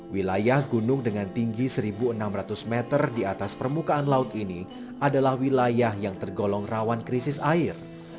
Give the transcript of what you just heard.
wilayah gunung dengan tinggi satu enam ratus meter di atas permukaan laut ini adalah wilayah yang tergolong rawan krisis air